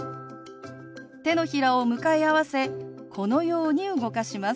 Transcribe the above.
手のひらを向かい合わせこのように動かします。